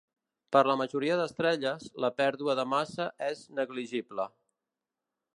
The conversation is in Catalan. Per a la majoria d'estrelles, la pèrdua de massa és negligible.